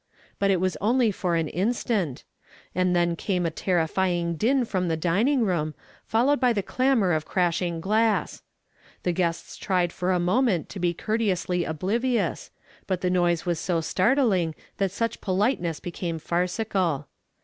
But it was only for an instant, and then came a terrifying din from the dining room, followed by the clamor of crashing glass. The guests tried for a moment to be courteously oblivious, but the noise was so startling that such politeness became farcical.